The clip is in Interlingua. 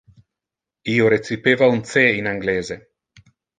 Io recipeva un C in anglese.